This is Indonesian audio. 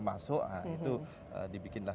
masuk itu dibikinlah